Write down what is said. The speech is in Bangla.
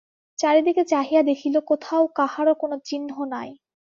চারিদিকে চাহিয়া দেখিল, কোথাও কাহারো কোনো চিহ্ন নাই।